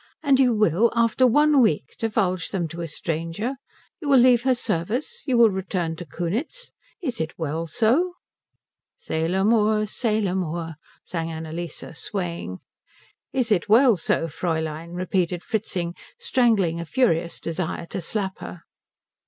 And you will, after one week, divulge them to a stranger? You will leave her service? You will return to Kunitz? Is it well so?" "C'est l'amour, c'est l'amour," sang Annalise, swaying. "Is it well so, Fräulein?" repeated Fritzing, strangling a furious desire to slap her.